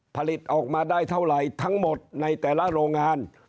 ผลิตออกมาได้เท่าไหร่ทั้งหมดในแต่ละโรงงาน